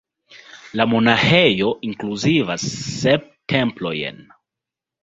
La monaĥejo inkluzivas sep templojn.